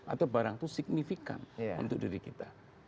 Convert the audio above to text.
atau barang itu signifikan untuk diri kita